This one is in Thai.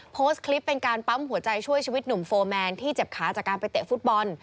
โพสต์คลิปเป็นการปั๊มหัวใจช่วยชีวิตหนุ่มโฟร์แมนที่เจ็บขาจากการไปเตะฟุตบอล